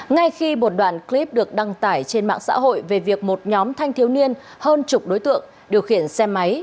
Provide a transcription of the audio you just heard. ngay khi một đoạn clip được đăng tải trên mạng xã hội về việc một nhóm thanh thiếu niên hơn chục đối tượng điều khiển xe máy